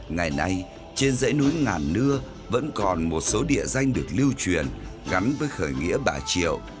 ngày nay trên dãy núi ngàn nưa vẫn còn một số địa danh được lưu truyền gắn với khởi nghĩa bà triệu